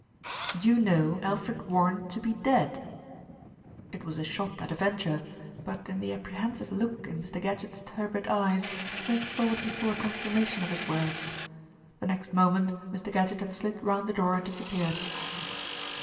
"You know Alfred Warren to be dead." It was a shot at a venture; but in the apprehensive look in Mr. Gadgett's turbid eyes Smith thought he saw a confirmation of his words. The next moment Mr. Gadgett had slid round the door and disappeared.